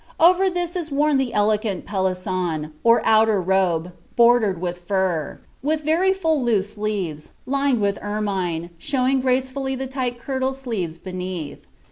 Over this is worn the elegant peliason, or outer rets. bordered with fur^ with very full loose sleeves, lined wiih emuM. showing gracefully the tight kirile sleeves beneath.